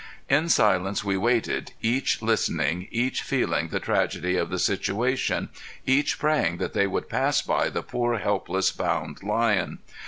In silence we waited, each listening, each feeling the tragedy of the situation, each praying that they would pass by the poor, helpless, bound lion.